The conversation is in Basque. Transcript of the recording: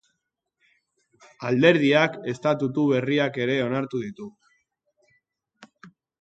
Alderdiak estatutu berriak ere onartu ditu.